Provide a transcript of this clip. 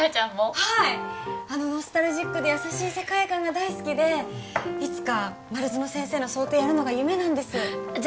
はいあのノスタルジックで優しい世界観が大好きでいつか丸園先生の装丁やるのが夢なんですじゃ